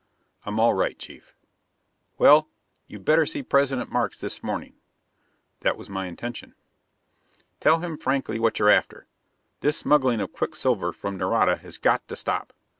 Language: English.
"I'm all right, Chief." "Well, you'd better see President Markes this morning." "That was my intention." "Tell him frankly what you're after. This smuggling of quicksilver from Nareda has got to stop.